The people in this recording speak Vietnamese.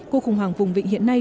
cuộc khủng hoảng vùng vịnh hiện nay